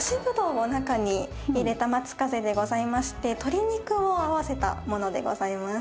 葡萄を中に入れた松風でございまして鶏肉を合わせたものでございます。